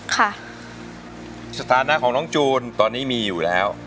สถานะของน้องจูนตอนนี้มีอยู่แล้ว